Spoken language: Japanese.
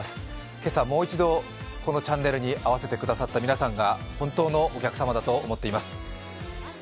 今朝、もう一度、このチャンネルに合わせてくださった皆さんが本当のお客様だと思っています。